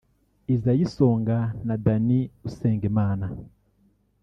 Isae Songa na Danny Usengimana